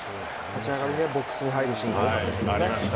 立ち上がり、ボックスに入るシーンが多かったですね。